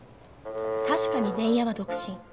確かに伝弥は独身